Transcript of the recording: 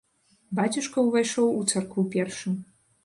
Бацюшка ўвайшоў у царкву першым.